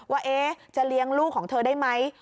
ว่าจะเลี้ยงลูกของเธอได้ไหม